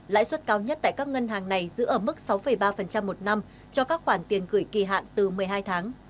lãi suất cao nhất tại các ngân hàng này giữ ở mức sáu ba một năm cho các khoản tiền gửi kỳ hạn từ một mươi hai tháng